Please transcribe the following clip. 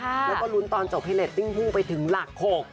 แล้วก็รุ้นตอนจบพิเศษติ้งภูมิไปถึงหลัก๖